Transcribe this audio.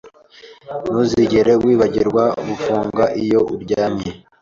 Ntuzigere wibagirwa gufunga iyo uryamye.